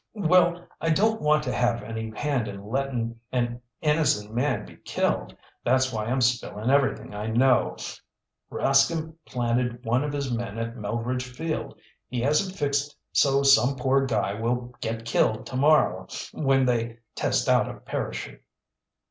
"Well, I don't want to have any hand in letting an innocent man be killed. That's why I'm spilling everything I know. Rascomb planted one of his men at Melveredge Field. He has it fixed so some poor guy will get killed tomorrow when they test out a parachute."